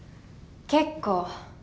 結構。